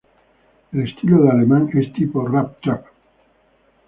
El estilo de Alemán es tipo Rap Trap.